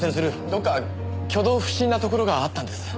どこか挙動不審なところがあったんです。